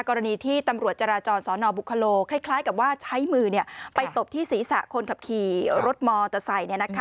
กรณีที่ตำรวจจราจรสนบุคโลคล้ายกับว่าใช้มือไปตบที่ศีรษะคนขับขี่รถมอเตอร์ไซค์